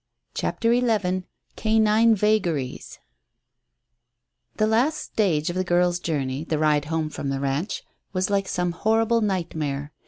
CHAPTER XI CANINE VAGARIES The last stage of the girls' journey the ride home from the ranch was like some horrible nightmare.